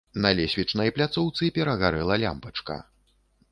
На лесвічнай пляцоўцы перагарэла лямпачка.